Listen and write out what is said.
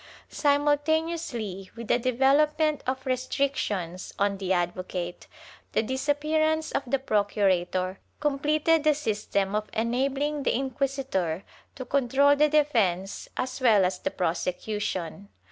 * Simultaneously with the development of restrictions on the advocate, the disappearance of the procurator completed the sys tem of enabling the inquisitor to control the defence as well as the prosecution.